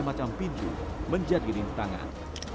semua perangkap yang berpikir seperti pintu menjadi rintangan